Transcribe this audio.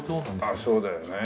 ああそうだよね。